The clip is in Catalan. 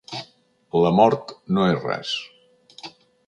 La mort no és res.